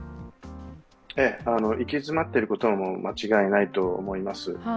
行き詰まっていることは間違いないと思います。